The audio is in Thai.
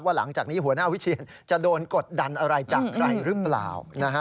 หลังจากนี้หัวหน้าวิเชียนจะโดนกดดันอะไรจากใครหรือเปล่า